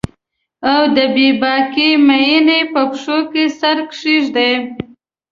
او د بې باکې میینې په پښو کې سر کښیږدي